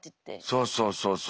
そうそうそうそうそう。